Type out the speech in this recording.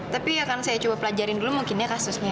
tapi akan saya coba pelajarin dulu mungkin ya kasusnya